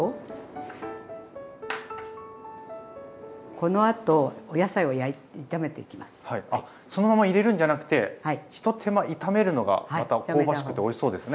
このあとあっそのまま入れるんじゃなくてひと手間炒めるのがまた香ばしくておいしそうですね。